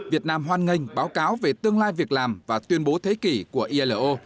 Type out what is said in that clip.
việt nam hoan nghênh báo cáo về tương lai việc làm và tuyên bố thế kỷ của ilo